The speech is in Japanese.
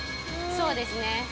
そうですね。